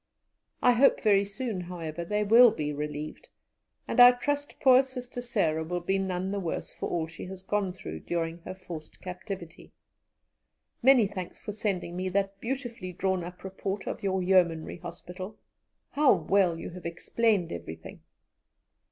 I hope very soon, however, they will be relieved, and I trust poor sister Sarah will be none the worse for all she has gone through during her forced captivity. Many thanks for sending me that beautifully drawn up report of your Yeomanry Hospital. How well you have explained everything!